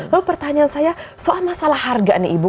lalu pertanyaan saya soal masalah harga nih ibu